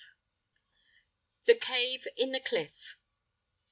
*THE CAVE IN THE CLIFF.